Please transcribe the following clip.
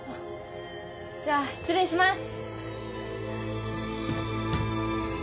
じゃあ失礼します。